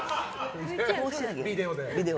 ビデオで。